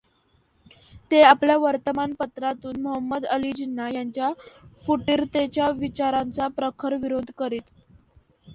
ते आपल्या वर्तमानपत्रांतून मोहंमद अली जिना यांच्या फुटीरतेच्या विचारांचा प्रखर विरोध करीत.